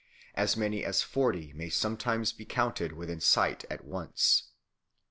As many as forty may sometimes be counted within sight at once.